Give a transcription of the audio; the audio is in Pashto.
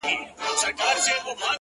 پر دې گناه خو ربه راته ثواب راکه;